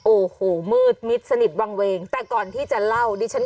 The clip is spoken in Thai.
โอ้โหมืดมิดสนิทวังเวงแต่ก่อนที่จะเล่าดิฉัน